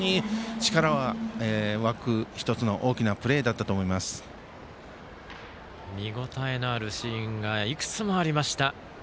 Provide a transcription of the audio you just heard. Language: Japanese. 非常に力の湧く１つの大きなプレーだったと見応えのあるシーンがいくつもありました。